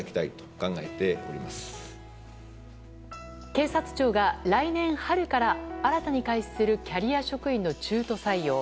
警察庁が来年春から新たに開始するキャリア職員の中途採用。